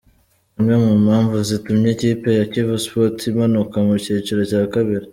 Zimwe mu mpamvu zitumye ikipe ya Kiyovu Sports imanuka mu cyiciro cya kabiri.